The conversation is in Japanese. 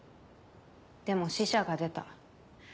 でも死者が出た。